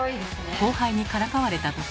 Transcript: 後輩にからかわれたとき。